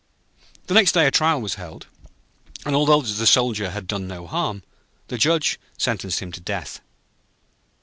Next day a trial was held, and although the Soldier had done no harm, the Judge sentenced him to death.